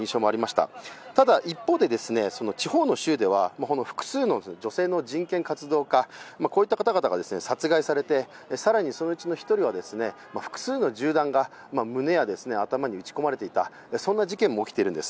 ただ、一方で地方の州では複数の女性の人権活動家殺害されて、更にそのうちの１人は複数の銃弾が胸や頭に撃ち込まれていたそんな事件も起きているんです。